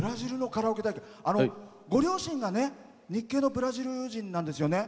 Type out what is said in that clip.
ご両親が日系のブラジル人なんですよね。